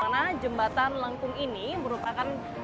karena jembatan lengkung ini merupakan